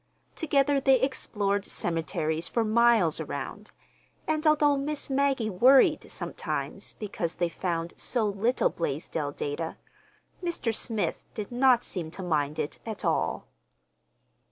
Together they explored cemeteries for miles around; and although Miss Maggie worried sometimes because they found so little Blaisdell data, Mr. Smith did not seem to mind it at all.